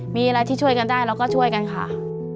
มีอะไรที่ช่วยกันได้เราก็ช่วยกันค่ะ